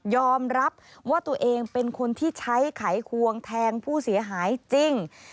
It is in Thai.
อมรับว่าตัวเองเป็นคนที่ใช้ไขควงแทงผู้เสียหายจริง